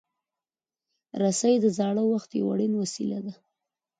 رسۍ د زاړه وخت یو اړین وسیله ده.